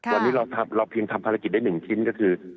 วันนี้เราพิมพ์ทำภารกิจได้๑ชิ้นก็คือ